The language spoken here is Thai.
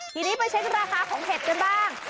ทีนี้ไปเช็คราคาของเห็ดกันบ้าง